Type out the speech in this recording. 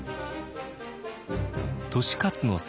利勝の策